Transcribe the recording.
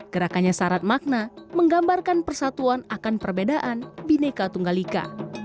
gerakannya syarat makna menggambarkan persatuan akan perbedaan bineka tunggalika